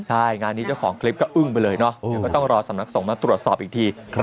ใช่งานนี้เจ้าของคลิปก็อึ้งไปเลยเนาะเดี๋ยวก็ต้องรอสำนักสงฆ์มาตรวจสอบอีกที